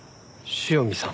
塩見さん